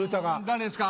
誰ですか？